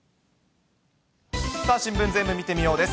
さあ、新聞ぜーんぶ見てみよう！です。